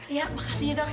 iya makasih ya dok